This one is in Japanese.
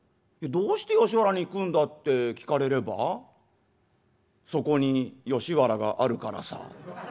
「どうして吉原に行くんだって聞かれればそこに吉原があるからさ」。